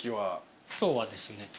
今日はですね